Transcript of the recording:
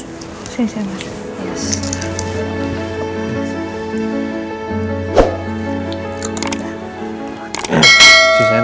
terima kasih minum